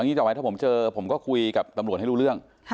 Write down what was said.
ต่อไปถ้าผมเจอผมก็คุยกับตำรวจให้รู้เรื่อง